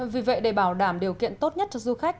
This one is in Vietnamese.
vì vậy để bảo đảm điều kiện tốt nhất cho du khách